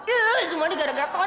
ih semua gara gara tony